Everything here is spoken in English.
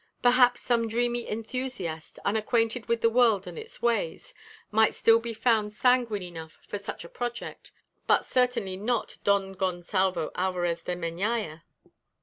Perhaps some dreamy enthusiast, unacquainted with the world and its ways, might still be found sanguine enough for such a project, but certainly not Don Gonsalvo Alvarez de Meñaya.